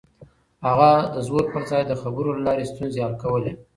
هغه د زور پر ځای د خبرو له لارې ستونزې حل کولې.